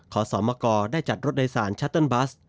ขอสมกได้จัดรถโดยสารชัตเติ้ลบัส